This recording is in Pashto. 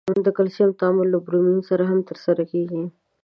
د کلسیم تعامل له برومین سره هم ترسره کیږي.